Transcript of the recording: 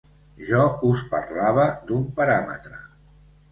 Jo us parlava d’un paràmetre.